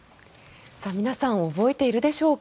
皆さん覚えているでしょうか。